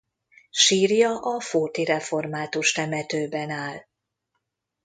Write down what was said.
Sírja a fóti református temetőben áll.